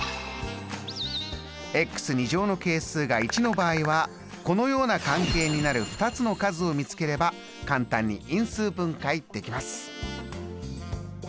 の係数が１の場合はこのような関係になる２つの数を見つければ簡単に因数分解できます。